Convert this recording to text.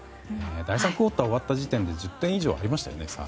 第３クオーターが終わった時点で１０点以上差がありましたよね。